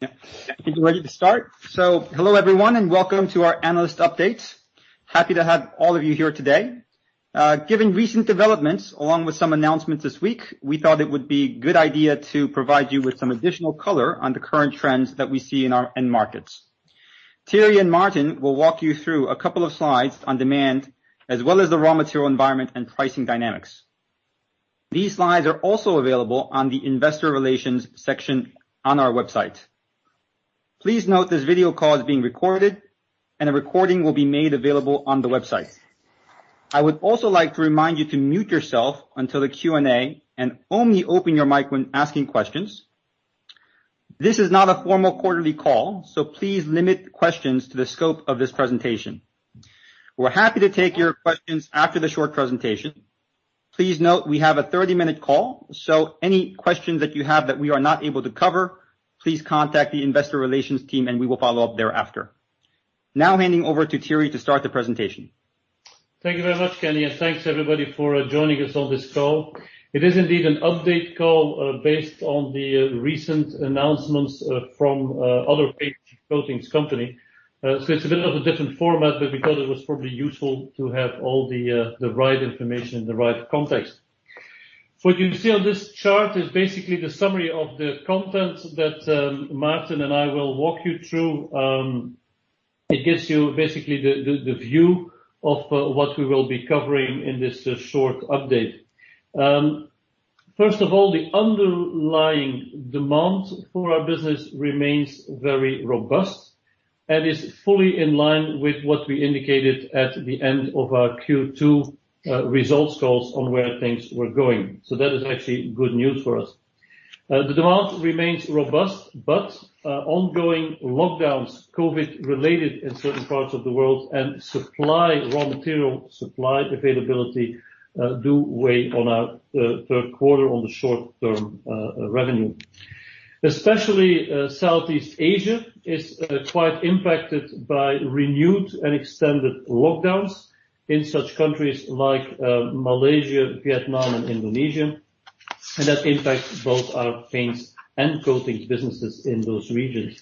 Yeah. I think we're ready to start. Hello everyone, and welcome to our analyst update. Happy to have all of you here today. Given recent developments along with some announcements this week, we thought it would be good idea to provide you with some additional color on the current trends that we see in our end markets. Thierry and Maarten will walk you through a couple of slides on demand, as well as the raw material environment and pricing dynamics. These slides are also available on the investor relations section on our website. Please note this video call is being recorded, and a recording will be made available on the website. I would also like to remind you to mute yourself until the Q&A, and only open your mic when asking questions. This is not a formal quarterly call, so please limit questions to the scope of this presentation. We're happy to take your questions after the short presentation. Please note we have a 30-minute call. Any questions that you have that we are not able to cover, please contact the investor relations team and we will follow up thereafter. Handing over to Thierry to start the presentation. Thank you very much, Kenny, and thanks everybody for joining us on this call. It is indeed an update call based on the recent announcements from other paint and coatings company. It's a bit of a different format, but we thought it was probably useful to have all the right information in the right context. What you see on this chart is basically the summary of the content that Maarten and I will walk you through. It gives you basically the view of what we will be covering in this short update. First of all, the underlying demand for our business remains very robust and is fully in line with what we indicated at the end of our Q2 results calls on where things were going. That is actually good news for us. The demand remains robust, ongoing lockdowns, COVID related in certain parts of the world, and supply, raw material supply availability, do weigh on our third quarter on the short-term revenue. Especially Southeast Asia is quite impacted by renewed and extended lockdowns in such countries like Malaysia, Vietnam and Indonesia, that impacts both our paints and coatings businesses in those regions.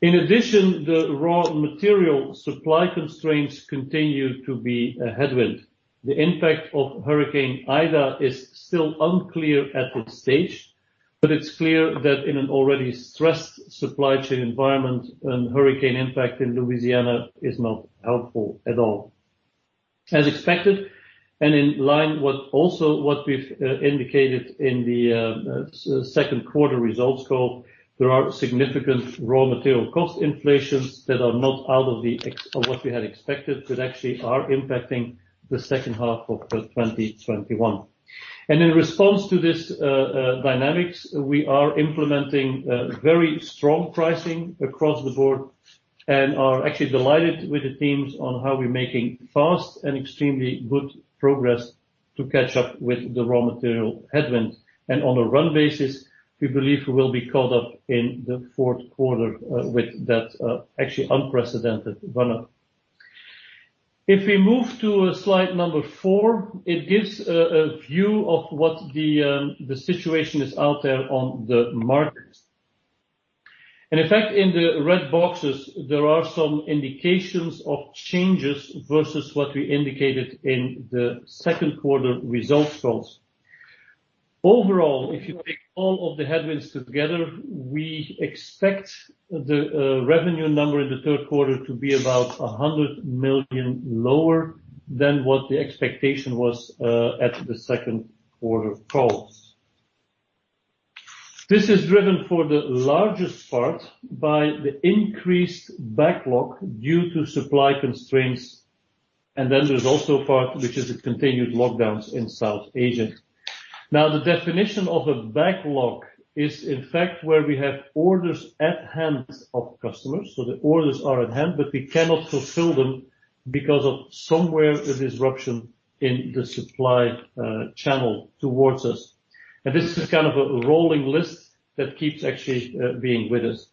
In addition, the raw material supply constraints continue to be a headwind. The impact of Hurricane Ida is still unclear at this stage, it's clear that in an already stressed supply chain environment, an hurricane impact in Louisiana is not helpful at all. As expected, in line with also what we've indicated in the second quarter results call, there are significant raw material cost inflations that are not out of what we had expected, that actually are impacting the second half of 2021. In response to this dynamics, we are implementing very strong pricing across the board and are actually delighted with the teams on how we're making fast and extremely good progress to catch up with the raw material headwind. On a run basis, we believe we will be caught up in the fourth quarter with that actually unprecedented run-up. If we move to slide number four, it gives a view of what the situation is out there on the markets. In fact, in the red boxes, there are some indications of changes versus what we indicated in the second quarter results calls. Overall, if you take all of the headwinds together, we expect the revenue number in the third quarter to be about 100 million lower than what the expectation was at the second quarter calls. This is driven for the largest part by the increased backlog due to supply constraints, and then there's also a part which is the continued lockdowns in South Asia. The definition of a backlog is, in fact, where we have orders at hand of customers. The orders are at hand, but we cannot fulfill them because of somewhere a disruption in the supply channel towards us. This is kind of a rolling list that keeps actually being with us.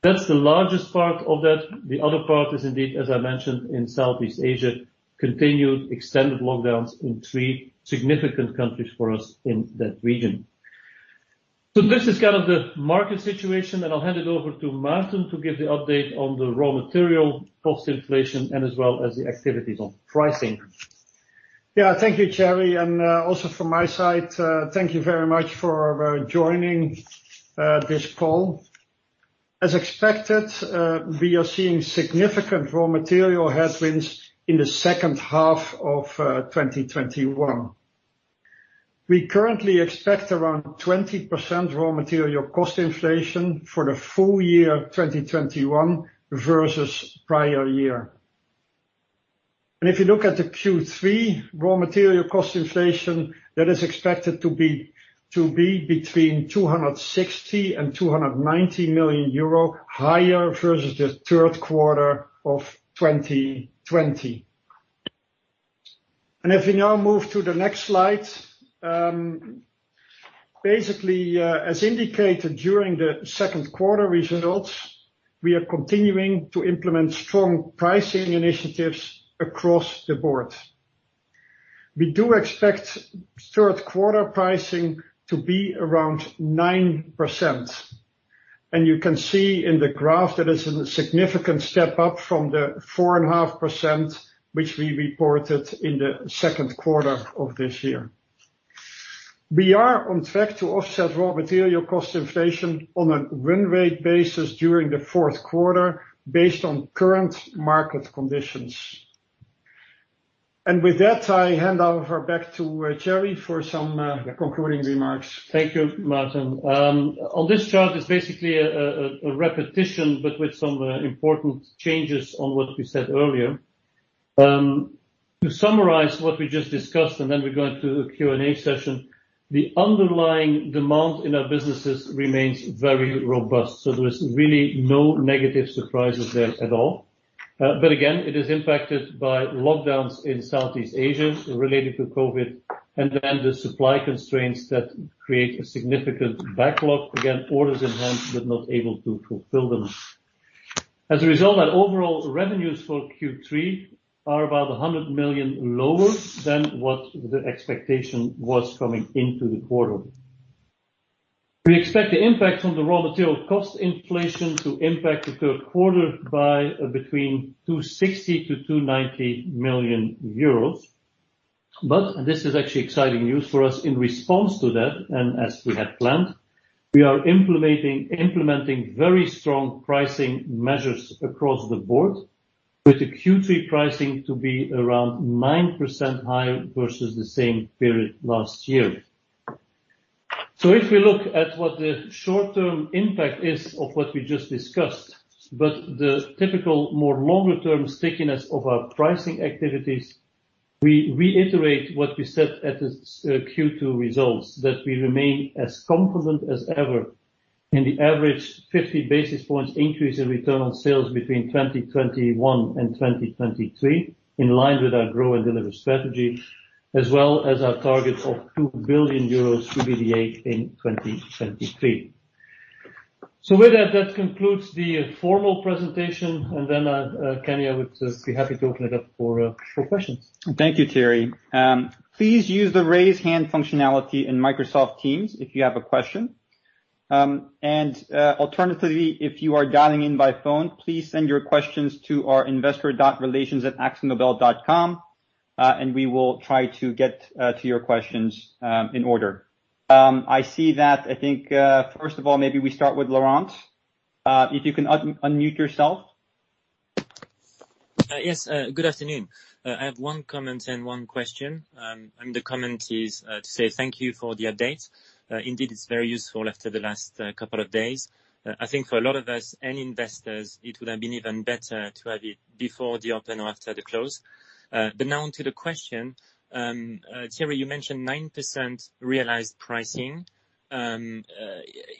That's the largest part of that. The other part is indeed, as I mentioned, in Southeast Asia, continued extended lockdowns in three significant countries for us in that region. This is kind of the market situation, and I'll hand it over to Maarten to give the update on the raw material cost inflation and as well as the activities on pricing. Thank you, Thierry, also from my side, thank you very much for joining this call. As expected, we are seeing significant raw material headwinds in the second half of 2021. We currently expect around 20% raw material cost inflation for the full year 2021 versus prior year. If you look at the Q3 raw material cost inflation, that is expected to be between 260 million and 290 million euro higher versus the third quarter of 2020. If we now move to the next slide. Basically, as indicated during the second quarter results, we are continuing to implement strong pricing initiatives across the board. We do expect third quarter pricing to be around 9%. You can see in the graph that it's a significant step up from the 4.5%, which we reported in the second quarter of this year. We are on track to offset raw material cost inflation on a run rate basis during the fourth quarter, based on current market conditions. With that, I hand over back to Thierry for some concluding remarks. Thank you, Maarten. On this chart is basically a repetition, with some important changes on what we said earlier. To summarize what we just discussed, then we go into the Q&A session, the underlying demand in our businesses remains very robust, there's really no negative surprises there at all. Again, it is impacted by lockdowns in Southeast Asia related to COVID, then the supply constraints that create a significant backlog. Again, orders in hand, not able to fulfill them. As a result, our overall revenues for Q3 are about 100 million lower than what the expectation was coming into the quarter. We expect the impact from the raw material cost inflation to impact the third quarter by between 260 million-290 million euros. This is actually exciting news for us. In response to that, and as we had planned, we are implementing very strong pricing measures across the board, with the Q3 pricing to be around 9% higher versus the same period last year. If we look at what the short-term impact is of what we just discussed, but the typical, more longer-term stickiness of our pricing activities, we reiterate what we said at the Q2 results, that we remain as confident as ever in the average 50 basis points increase in return on sales between 2021 and 2023, in line with our Grow & Deliver strategy, as well as our target of 2 billion euros EBITDA in 2023. With that concludes the formal presentation. Then, Kenny, I would be happy to open it up for questions. Thank you, Thierry. Please use the raise hand functionality in Microsoft Teams if you have a question. Alternatively, if you are dialing in by phone, please send your questions to our investor.relations@akzonobel.com, and we will try to get to your questions in order. I see that, I think, first of all, maybe we start with Laurent. If you can unmute yourself. Yes, good afternoon. I have one comment and one question. The comment is to say thank you for the update. Indeed, it's very useful after the last couple of days. I think for a lot of us and investors, it would have been even better to have it before the open or after the close. Now onto the question. Thierry, you mentioned 9% realized pricing.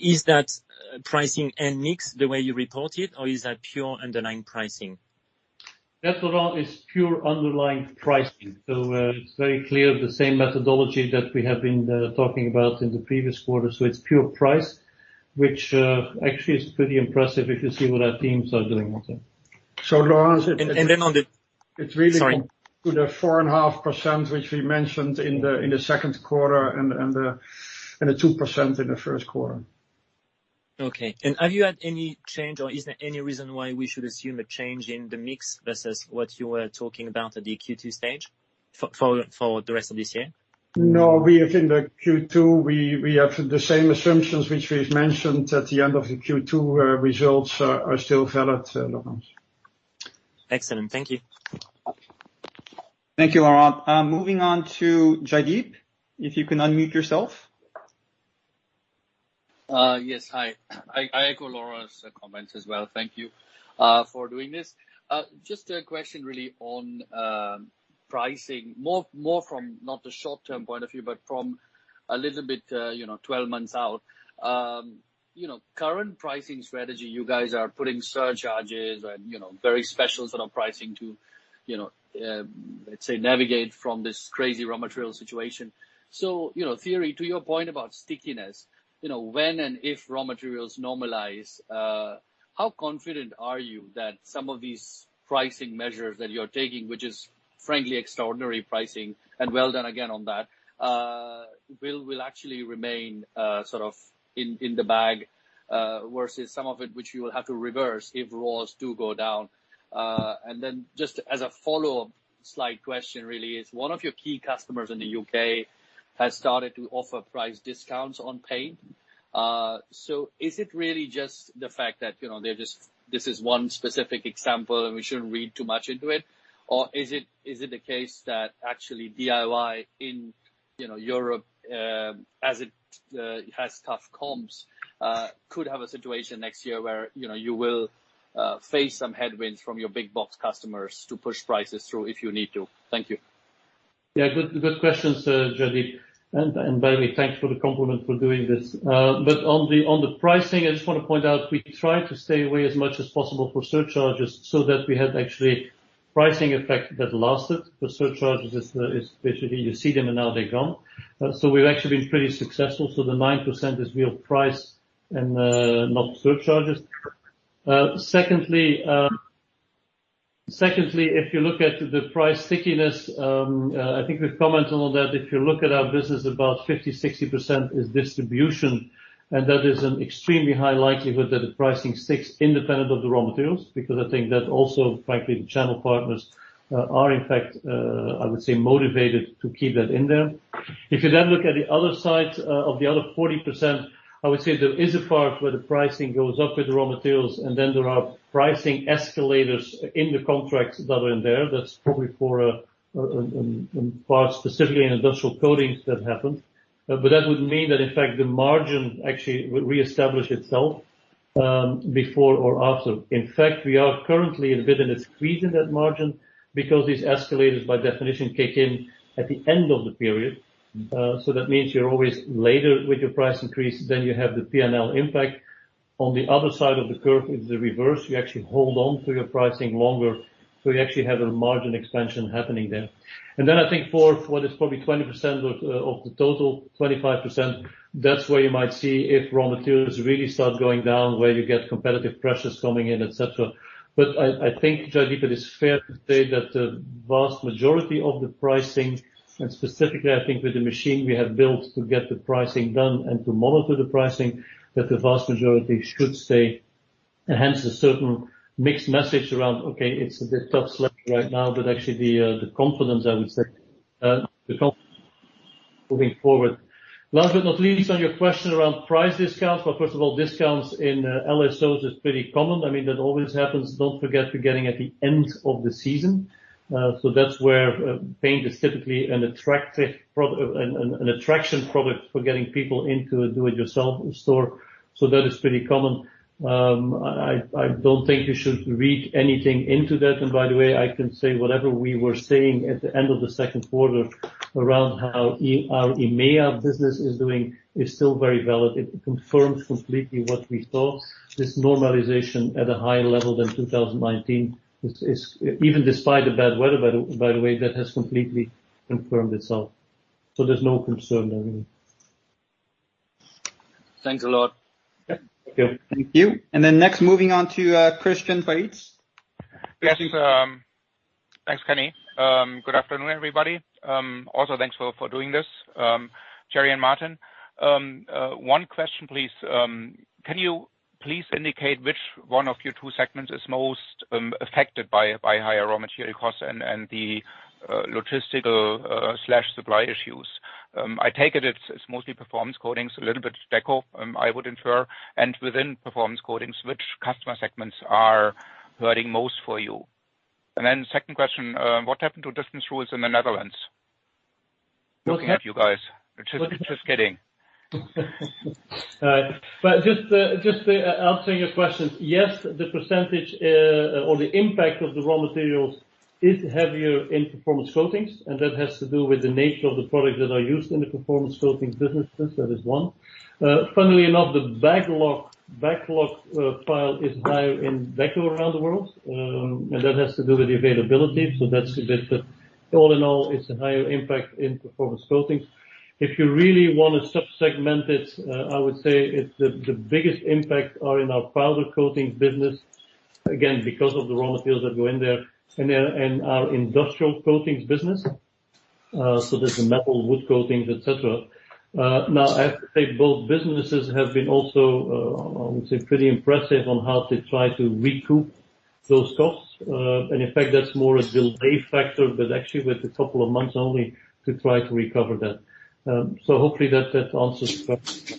Is that pricing and mix the way you report it, or is that pure underlying pricing? Laurent, it's pure underlying pricing. It's very clear the same methodology that we have been talking about in the previous quarter. It's pure price, which actually is pretty impressive if you see what our teams are doing, Maarten. Laurent. Sorry. It's really to the 4.5%, which we mentioned in the second quarter and the 2% in the first quarter. Okay. Have you had any change or is there any reason why we should assume a change in the mix versus what you were talking about at the Q2 stage for the rest of this year? We are in the Q2. We have the same assumptions which we've mentioned at the end of the Q2 results are still valid, Laurent. Excellent. Thank you. Thank you, Laurent. Moving on to Jaideep, if you can unmute yourself. Yes. Hi. I echo Laurent's comments as well. Thank you for doing this. Just a question really on pricing, more from not the short-term point of view, but from a little bit, 12 months out. Current pricing strategy, you guys are putting surcharges and very special sort of pricing to, let's say, navigate from this crazy raw material situation. Thierry, to your point about stickiness, when and if raw materials normalize, how confident are you that some of these pricing measures that you're taking, which is frankly extraordinary pricing, and well done again on that, will actually remain sort of in the bag, versus some of it which you will have to reverse if raws do go down? Just as a follow-up slight question really is, one of your key customers in the U.K. has started to offer price discounts on paint. Is it really just the fact that this is one specific example, and we shouldn't read too much into it? Or is it the case that actually DIY in Europe, as it has tough comps could have a situation next year where you will face some headwinds from your big box customers to push prices through if you need to? Thank you. Yeah, good questions, Jaideep. By the way, thanks for the compliment for doing this. On the pricing, I just want to point out we try to stay away as much as possible for surcharges so that we have actually pricing effect that lasted. The surcharges is basically you see them and now they're gone. We've actually been pretty successful. The 9% is real price and not surcharges. Secondly, if you look at the price stickiness, I think we've commented on that. If you look at our business, about 50%, 60% is distribution, and that is an extremely high likelihood that the pricing sticks independent of the raw materials, because I think that also, frankly, the channel partners are, in fact, I would say, motivated to keep that in there. If you look at the other side of the other 40%, I would say there is a part where the pricing goes up with the raw materials, and then there are pricing escalators in the contracts that are in there. That's probably for a part, specifically in industrial coatings that happen. That would mean that in fact, the margin actually would reestablish itself before or after. In fact, we are currently in a bit of a squeeze in that margin because these escalators by definition kick in at the end of the period. That means you're always later with your price increase, then you have the P&L impact. On the other side of the curve is the reverse. You actually hold on to your pricing longer, so you actually have a margin expansion happening there. I think fourth, what is probably 20% of the total, 25%, that's where you might see if raw materials really start going down, where you get competitive pressures coming in, et cetera. I think, Jaideep, it is fair to say that the vast majority of the pricing, and specifically I think with the machine we have built to get the pricing done and to monitor the pricing, that the vast majority should stay. Hence a certain mixed message around, okay, it's a bit tough sledding right now, but actually the confidence, I would say, the confidence moving forward. Last but not least, on your question around price discounts. Well, first of all, discounts in LSOs is pretty common. That always happens. Don't forget, we're getting at the end of the season. That's where paint is typically an attraction product for getting people into a DIY store. That is pretty common. I don't think you should read anything into that. By the way, I can say whatever we were saying at the end of the second quarter around how our EMEA business is doing is still very valid. It confirms completely what we thought. This normalization at a higher level than 2019 is, even despite the bad weather, by the way, that has completely confirmed itself. There's no concern there anymore. Thanks a lot. Yeah. Thank you. Thank you. Next, moving on to Christian Faitz. Yes. Thanks, Kenny. Good afternoon, everybody. Also, thanks for doing this, Thierry and Maarten. One question, please. Can you please indicate which one of your two segments is most affected by higher raw material costs and the logistical/supply issues? I take it it's mostly Performance Coatings, a little bit Deco, I would infer. Within Performance Coatings, which customer segments are hurting most for you? Then second question, what happened to distance rules in the Netherlands? Looking at you guys. Just kidding. Just answering your question. Yes, the percentage or the impact of the raw materials is heavier in Performance Coatings. That has to do with the nature of the products that are used in the Performance Coatings businesses. That is one. Funnily enough, the backlog pile is higher in Deco around the world. That has to do with the availability. That's a bit, all in in all, it's a higher impact in Performance Coatings. If you really want to sub-segment it, I would say the biggest impact are in our powder coatings business, again, because of the raw materials that go in there, and our industrial coatings business, so there's the metal wood coatings, et cetera. I have to say both businesses have been also, I would say, pretty impressive on how they try to recoup those costs. In fact, that's more a delay factor, but actually with a couple of months only to try to recover that. Hopefully that answers the question.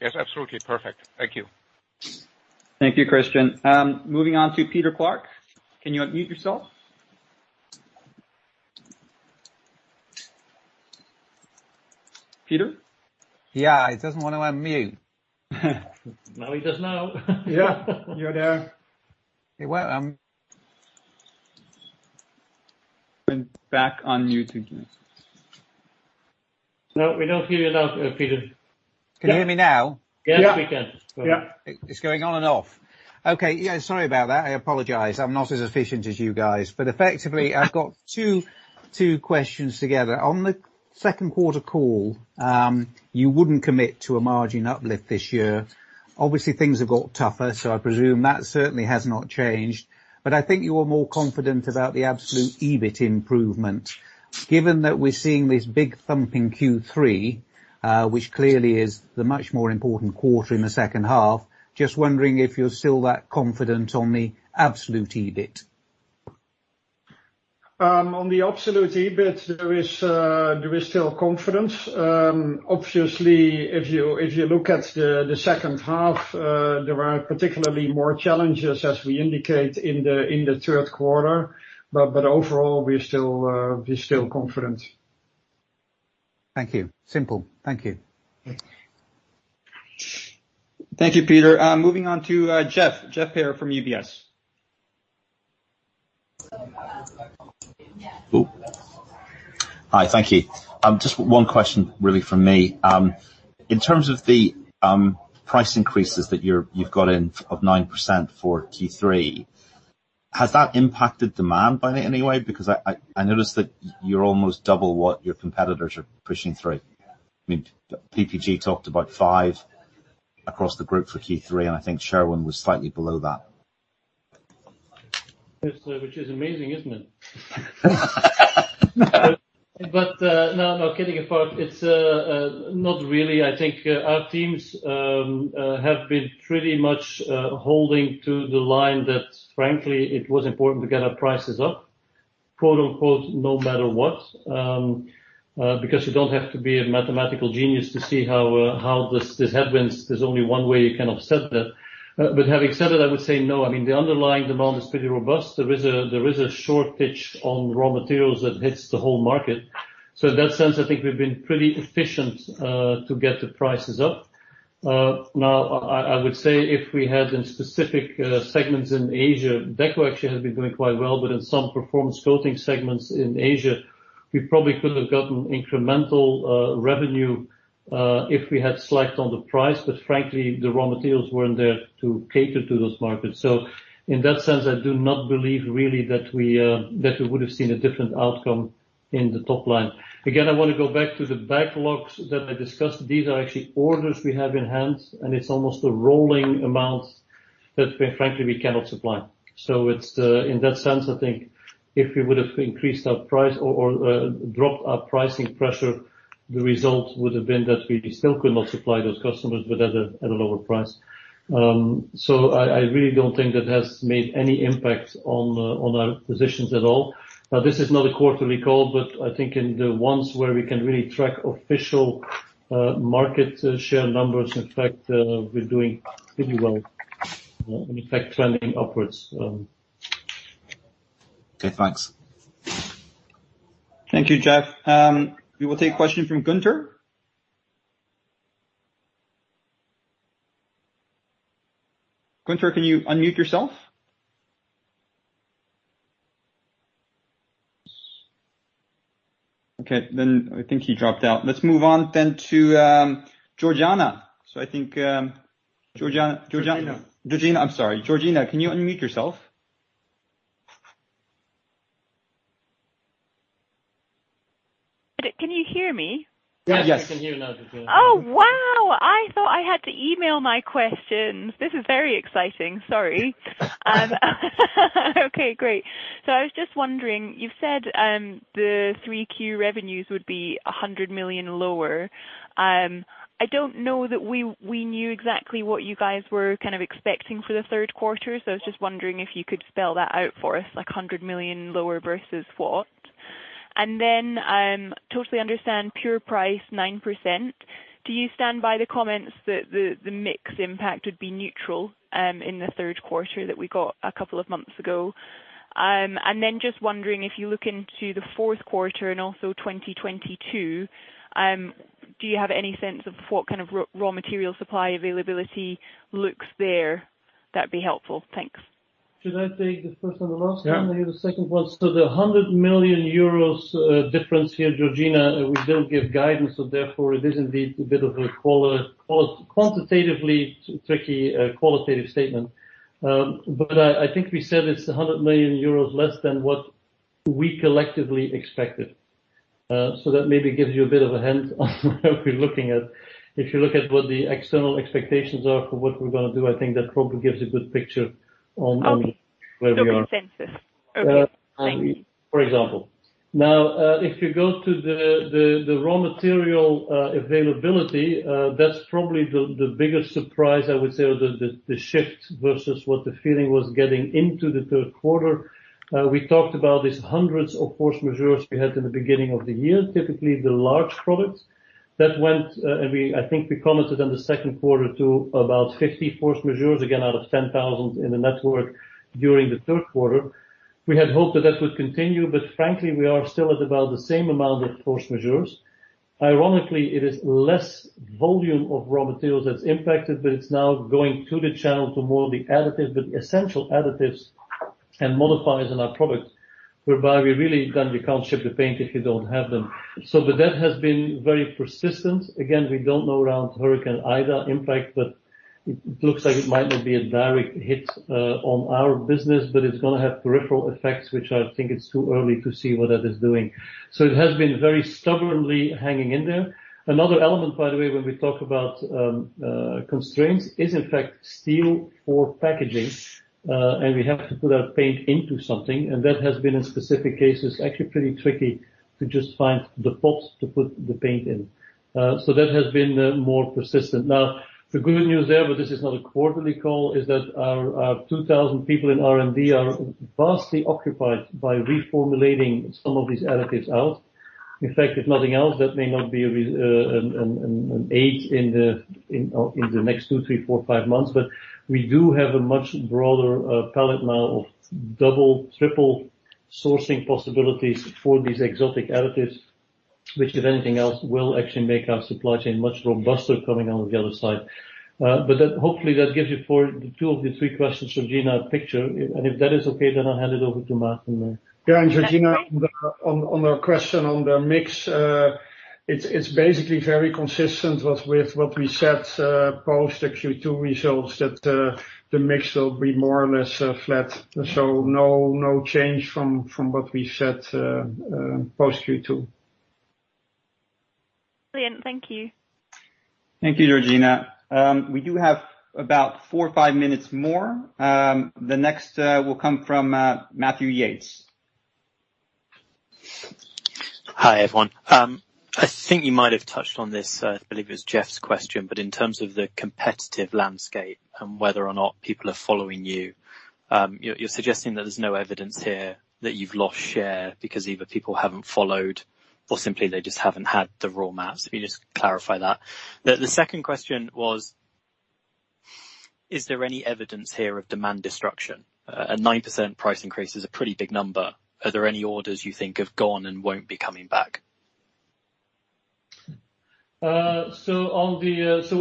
Yes, absolutely. Perfect. Thank you. Thank you, Christian. Moving on to Peter Clark. Can you unmute yourself? Peter? Yeah, it doesn't want to unmute. Now he does now. Yeah. You're there. It what? Been back on mute again. No, we don't hear you now, Peter. Can you hear me now? Yes, we can. Yeah. It's going on and off. Okay. Yeah, sorry about that. I apologize. I'm not as efficient as you guys. Effectively, I've got two questions together. On the second quarter call, you wouldn't commit to a margin uplift this year. Obviously, things have got tougher, so I presume that certainly has not changed. I think you were more confident about the absolute EBIT improvement. Given that we're seeing this big thumping Q3, which clearly is the much more important quarter in the second half, just wondering if you're still that confident on the absolute EBIT. On the absolute EBIT, there is still confidence. Obviously, if you look at the second half, there are particularly more challenges as we indicate in the third quarter. Overall, we're still confident. Thank you. Simple. Thank you. Thank you, Peter. Moving on to Geoff. Geoff Haire from UBS. Hi. Thank you. Just one question really from me. In terms of the price increases that you've got in of 9% for Q3, has that impacted demand by any way? I noticed that you're almost double what your competitors are pushing through. PPG talked about 5% across the group for Q3. I think Sherwin was slightly below that. Which is amazing, isn't it? No, kidding apart, it's not really. I think our teams have been pretty much holding to the line that, frankly, it was important to get our prices up, quote, unquote, "no matter what", because you don't have to be a mathematical genius to see how this happens. There's only one way you can offset that. Having said that, I would say no. The underlying demand is pretty robust. There is a shortage on raw materials that hits the whole market. In that sense, I think we've been pretty efficient to get the prices up. Now, I would say if we had, in specific segments in Asia, Deco actually has been doing quite well, but in some Performance Coatings segments in Asia, we probably could have gotten incremental revenue if we had slacked on the price. Frankly, the raw materials weren't there to cater to those markets. In that sense, I do not believe really that we would have seen a different outcome in the top line. Again, I want to go back to the backlogs that I discussed. These are actually orders we have in hand, and it's almost a rolling amount that, frankly, we cannot supply. It's in that sense, I think if we would have increased our price or dropped our pricing pressure, the result would have been that we still could not supply those customers, but at a lower price. I really don't think that has made any impact on our positions at all. This is not a quarterly call, but I think in the ones where we can really track official market share numbers, in fact, we're doing pretty well. In fact, trending upwards. Okay, thanks. Thank you, Geoff. We will take a question from Gunther. Gunther, can you unmute yourself? I think he dropped out. Let's move on to Georgina. I think Georgina. Georgina. Georgina, I'm sorry. Georgina, can you unmute yourself? Can you hear me? Yes. Yes, we can hear you now, Georgina. Oh, wow. I thought I had to email my questions. This is very exciting. Sorry. Okay, great. I was just wondering, you've said the 3Q revenues would be 100 million lower. I don't know that we knew exactly what you guys were kind of expecting for the third quarter, so I was just wondering if you could spell that out for us, like 100 million lower versus what. Totally understand pure price 9%. Do you stand by the comments that the mix impact would be neutral in the third quarter that we got a couple of months ago? Just wondering if you look into the fourth quarter and also 2022, do you have any sense of what kind of raw material supply availability looks there? That'd be helpful. Thanks. Should I take the first and the last one? Yeah. You the second one. The 100 million euros difference here, Georgina, we don't give guidance, therefore, it is indeed a bit of a quantitatively tricky qualitative statement. I think we said it's 100 million euros less than what we collectively expected. That maybe gives you a bit of a hint on what we're looking at. If you look at what the external expectations are for what we're going to do, I think that probably gives a good picture on. Okay Where we are. That makes sense. Okay, thank you. For example. Now, if you go to the raw material availability, that's probably the biggest surprise, I would say, or the shift versus what the feeling was getting into the third quarter. We talked about these hundreds of force majeures we had in the beginning of the year, typically the large products. That went, and I think we commented on the second quarter, to about 50 force majeures, again, out of 10,000 in the network during the third quarter. We had hoped that that would continue, but frankly, we are still at about the same amount of force majeures. Ironically, it is less volume of raw materials that's impacted, but it's now going to the channel to more of the additives, but the essential additives and modifiers in our product, whereby we really then we can't ship the paint if you don't have them. That has been very persistent. Again, we don't know around Hurricane Ida impact, but it looks like it might not be a direct hit on our business, but it's going to have peripheral effects, which I think it's too early to see what that is doing. It has been very stubbornly hanging in there. Another element, by the way, when we talk about constraints is, in fact, steel for packaging. We have to put our paint into something, and that has been in specific cases, actually pretty tricky to just find the pots to put the paint in. That has been more persistent. Now, the good news there, but this is not a quarterly call, is that our 2,000 people in R&D are vastly occupied by reformulating some of these additives out. In fact, if nothing else, that may not be an aid in the next two, three, four, five months. We do have a much broader palette now of double, triple sourcing possibilities for these exotic additives, which if anything else, will actually make our supply chain much more robust coming out the other side. Hopefully, that gives you two of the three questions, Georgina, a picture. If that is okay, then I'll hand it over to Maarten then. That's great. Yeah, Georgina, on our question on the mix, it's basically very consistent with what we set post Q2 results that the mix will be more or less flat. No change from what we set post Q2. Brilliant. Thank you. Thank you, Georgina. We do have about four or five minutes more. The next will come from Matthew Yates. Hi, everyone. I think you might have touched on this, I believe it was Geoff's question. In terms of the competitive landscape and whether or not people are following you're suggesting that there's no evidence here that you've lost share because either people haven't followed or simply they just haven't had the raw materials. If you can just clarify that. The second question was, is there any evidence here of demand destruction? A 9% price increase is a pretty big number. Are there any orders you think have gone and won't be coming back?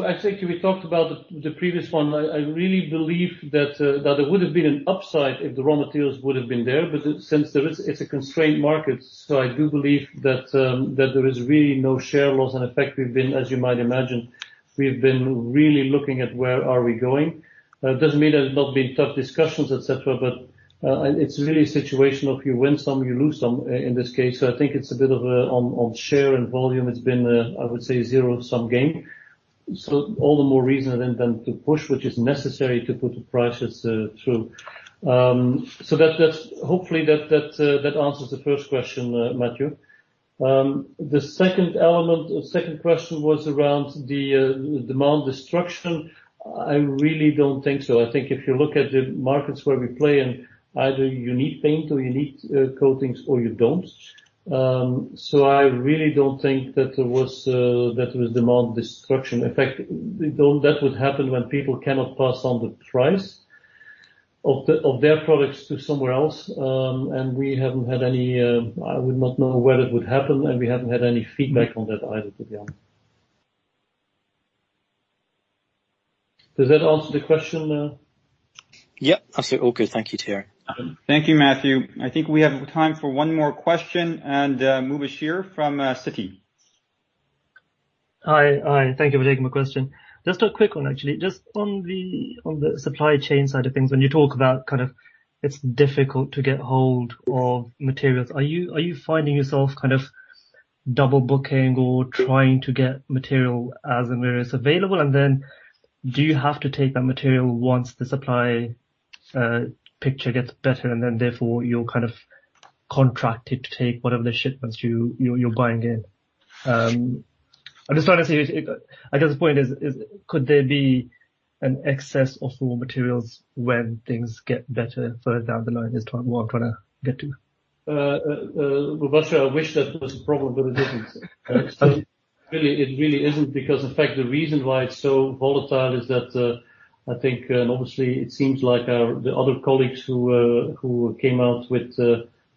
I think we talked about the previous one. I really believe that there would have been an upside if the raw materials would have been there, since it's a constrained market, I do believe that there is really no share loss. In effect, as you might imagine, we've been really looking at where are we going. It doesn't mean there's not been tough discussions, et cetera, but it's really a situation of you win some, you lose some in this case. I think it's a bit of on share and volume, it's been, I would say, zero sum game. All the more reason than to push, which is necessary to put the prices through. Hopefully that answers the first question, Matthew. The second question was around the demand destruction. I really don't think so. I think if you look at the markets where we play in, either you need paint or you need coatings or you don't. I really don't think that there was demand destruction. In fact, that would happen when people cannot pass on the price of their products to somewhere else. We haven't had any, I would not know where it would happen, and we haven't had any feedback on that either, to be honest. Does that answer the question? Yep. Absolutely all good. Thank you, Thierry. Thank you, Matthew. I think we have time for one more question, and Mubasher from Citi. Hi. Thank you for taking my question. Just a quick one, actually. Just on the supply chain side of things, when you talk about kind of it's difficult to get hold of materials, are you finding yourself kind of double-booking or trying to get material as and where it's available? Do you have to take that material once the supply picture gets better and then therefore you're kind of contracted to take whatever the shipments you're buying in? I'm just trying to see, I guess the point is could there be an excess of raw materials when things get better further down the line is what I'm trying to get to. Mubasher, I wish that was a problem, but it isn't. It really isn't because, in fact, the reason why it's so volatile is that, I think, and obviously it seems like the other colleagues who came out with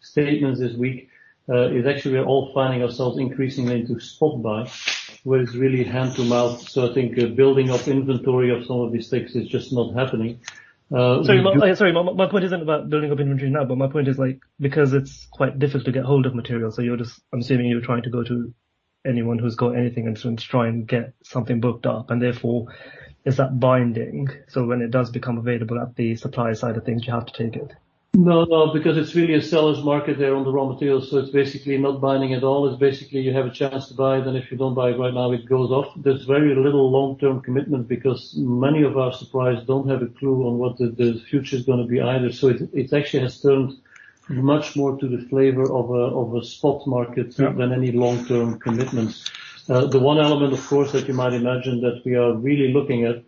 statements this week, is actually we are all finding ourselves increasingly into spot buy, where it's really hand to mouth. I think building up inventory of some of these things is just not happening. Sorry, my point isn't about building up inventory now, but my point is because it's quite difficult to get hold of material, so I'm assuming you're trying to go to anyone who's got anything and trying to get something booked up, and therefore is that binding, so when it does become available at the supplier side of things, you have to take it? It's really a seller's market there on the raw materials, so it's basically not binding at all. It's basically you have a chance to buy. If you don't buy right now, it goes off. There's very little long-term commitment because many of our suppliers don't have a clue on what the future's going to be either. It actually has turned much more to the flavor of a spot market than any long-term commitments. The one element, of course, that you might imagine that we are really looking at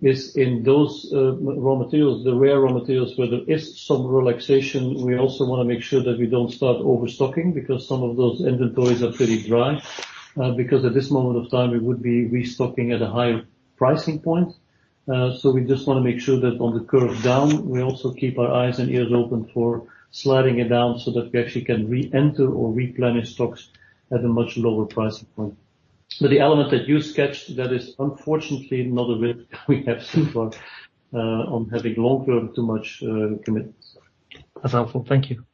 is in those raw materials, the rare raw materials where there is some relaxation, we also want to make sure that we don't start overstocking because some of those inventories are pretty dry. At this moment of time we would be restocking at a higher pricing point. We just want to make sure that on the curve down, we also keep our eyes and ears open for sliding it down so that we actually can re-enter or replenish stocks at a much lower pricing point. The element that you sketched, that is unfortunately not a risk we have so far on having long-term too much commitments. That's helpful. Thank you.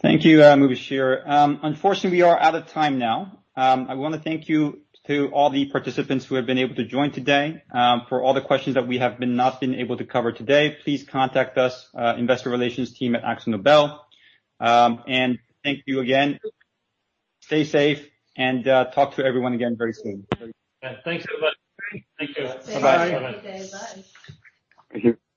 Thank you, Mubasher. Unfortunately, we are out of time now. I want to thank you to all the participants who have been able to join today. For all the questions that we have not been able to cover today, please contact us, investor relations team at Akzo Nobel. Thank you again. Stay safe, and talk to everyone again very soon. Thanks everybody. Thank you. Bye-bye. Have a good day. Bye. Thank you.